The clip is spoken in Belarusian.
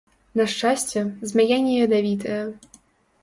На шчасце, змяя не ядавітая.